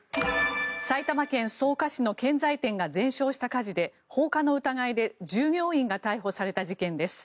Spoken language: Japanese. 埼玉県草加市の建材店が全焼した火事で放火の疑いで従業員が逮捕された事件です。